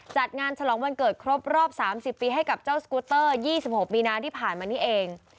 จัดงานฉลองวันเกิดครบรอบ๓๐ปีให้กับเจ้าสกูเตอร์๒๖มีนาที่ผ่านมานี้เอง